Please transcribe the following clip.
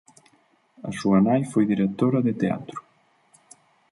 A súa nai foi directora de teatro.